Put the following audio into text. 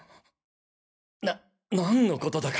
ななんのことだか。